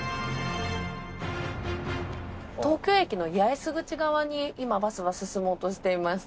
東京駅の八重洲口側に今バスは進もうとしています。